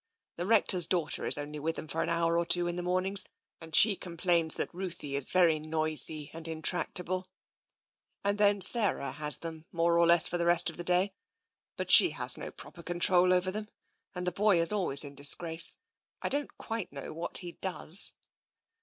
The Rector's daugh ter is only with them for an hour or two in the mornings, and she complains that Ruthie is very noisy and intractable, and then Sarah has them more or less for the rest of the day ; but she has no proper control over them, and the boy is always in disgrace. I don't quite know what he does."